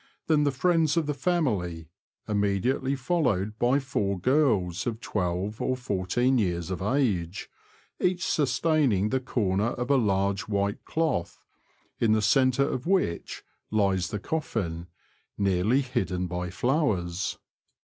Then the friends of the family, immediately followed by four girls of twelve or fourteen years of age, each sustaining the corner of a large white cloth, in the centre of which lies the coffin, nearly hidden by flowers.